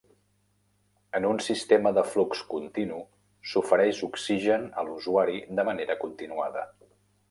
En un "sistema de flux continu", s'ofereix oxigen a l'usuari de manera continuada.